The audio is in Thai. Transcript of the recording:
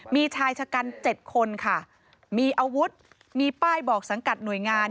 มีชายชะกัน๗คนค่ะมีอาวุธมีป้ายบอกสังกัดหน่วยงาน